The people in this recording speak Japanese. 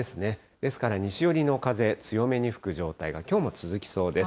ですから西寄りの風、強めに吹く状態がきょうも続きそうです。